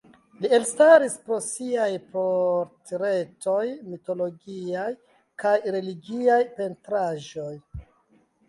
Li elstaris pro siaj portretoj, mitologiaj kaj religiaj pentraĵoj.